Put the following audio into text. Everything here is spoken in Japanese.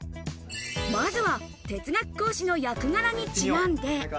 まずは哲学講師の役柄にちなんで。